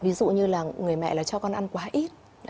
ví dụ như là người mẹ là cho con ăn quá ít